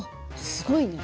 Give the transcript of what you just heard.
すごいね。